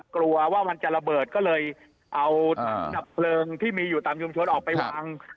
กลัวว่ามันจะระเบิดก็เลยเอาถังดับเพลิงที่มีอยู่ตามชุมชนออกไปวาง